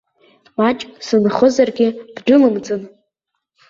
Маҷк сынхозаргьы бдәылымҵын!